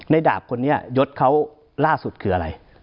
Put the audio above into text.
ดาบคนนี้ยศเขาล่าสุดคืออะไร